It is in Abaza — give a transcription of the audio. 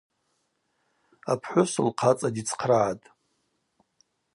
Апхӏвыс лхъацӏа дицхърагӏатӏ.